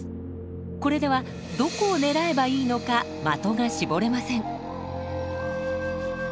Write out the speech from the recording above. これではどこを狙えばいいのか的が絞れません。